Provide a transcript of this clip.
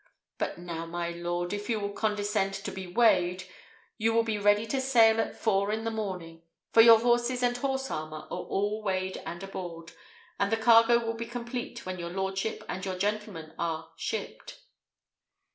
But now, my lord, if you will condescend to be weighed, you will be ready to sail at four in the morning; for your horses and horse armour are all weighed and aboard, and the cargo will be complete when your lordship and your gentleman are shipped."